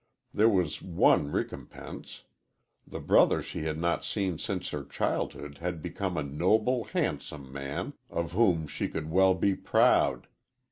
There was one recompense. The brother she had not seen since her childhood had become a noble, handsome man, of whom she could well be proud.